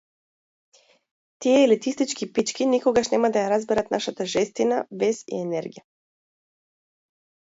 Тие елитистички пички никогаш нема да ја разберат нашата жестина, бес и енергија!